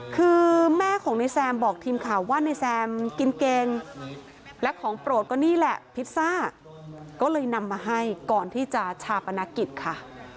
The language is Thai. คือแม่ของนายแซมบอกทีมข่าวว่าในแซมกินเกงและของโปรดก็นี่แหละพิซซ่าก็เลยนำมาให้ก่อนที่จะชาปนกิจค่ะ